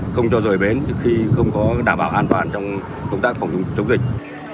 không cho rời bến khi không có đảm bảo an toàn trong công tác phòng chống dịch